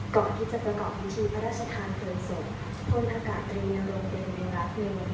ก่อนที่จะประกอบพิธีพระราชทางเติมส่งพลประกาศตรีนโรนเตรียมรักในวันนี้